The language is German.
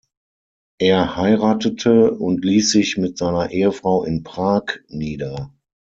Er heiratete und ließ sich mit seiner Ehefrau in Prag nieder.